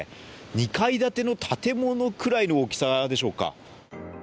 ２階建ての建物くらいの大きさでしょうか。